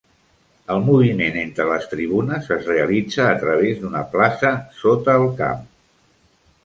El moviment entre les tribunes es realitza a través d'una plaça sota el camp.